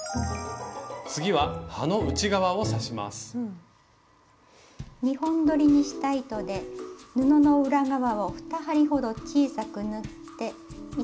次は葉の２本どりにした糸で布の裏側を２針ほど小さく縫って糸を引きます。